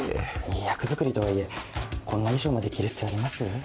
役作りとはいえこんな衣装まで着る必要あります？